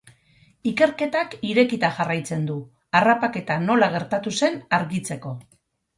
Ikerketak irekita jarraitzen du, harrapaketa nola gertatu zen argitzeko.